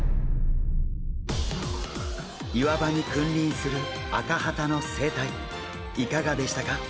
岩場に君臨するアカハタの生態いかがでしたか？